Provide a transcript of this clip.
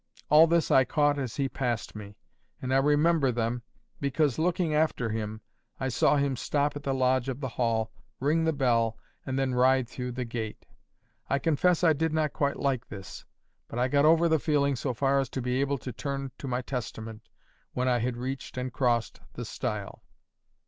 All this I caught as he passed me; and I remember them, because, looking after him, I saw him stop at the lodge of the Hall, ring the bell, and then ride through the gate. I confess I did not quite like this; but I got over the feeling so far as to be able to turn to my Testament when I had reached and crossed the stile.